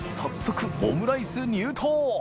秡畭オムライス入刀！